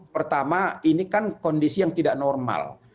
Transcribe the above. pertama ini kan kondisi yang tidak normal